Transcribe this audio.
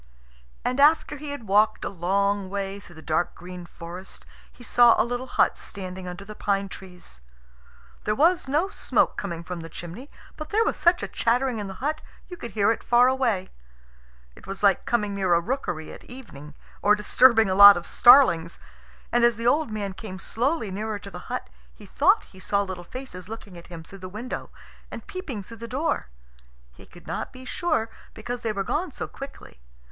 And after he had walked a long way through the dark green forest, he saw a little hut standing under the pine trees. There was no smoke coming from the chimney, but there was such a chattering in the hut you could hear it far away. It was like coming near a rookery at evening, or disturbing a lot of starlings. And as the old man came slowly nearer to the hut, he thought he saw little faces looking at him through the window and peeping through the door. He could not be sure, because they were gone so quickly.